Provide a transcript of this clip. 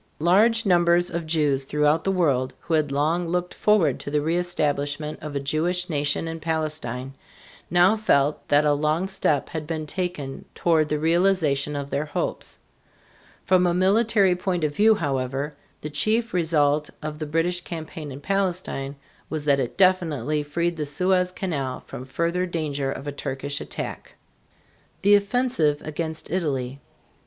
Large numbers of Jews throughout the world, who had long looked forward to the reëstablishment of a Jewish nation in Palestine, now felt that a long step had been taken toward the realization of their hopes. From a military point of view, however, the chief result of the British campaign in Palestine was that it definitely freed the Suez Canal from further danger of a Turkish attack. THE OFFENSIVE AGAINST ITALY.